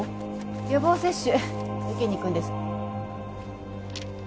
予防接種受けに行くんです。